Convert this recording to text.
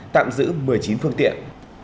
tạm giữ một mươi chín phương tiện